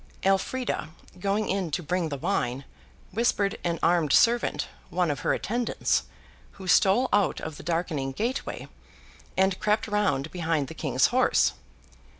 Elfrida, going in to bring the wine, whispered to an armed servant, one of her attendants, who stole out of the darkening gateway, and crept round behind the King's horse.